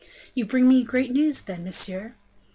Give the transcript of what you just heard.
"You bring me great news, then, monsieur?"